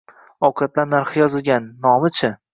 Ovqatlar narxi yozilgan, nomi-chi?